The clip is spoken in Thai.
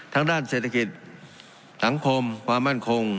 ด้านเศรษฐกิจสังคมความมั่นคง